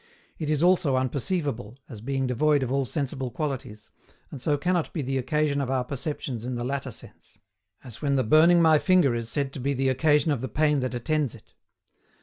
It is also unperceivable, as being devoid of all sensible qualities, and so cannot be the occasion of our perceptions in the latter sense: as when the burning my finger is said to be the occasion of the pain that attends it.